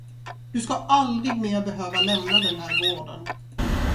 Du ska aldrig mer behöva lämna den här gården.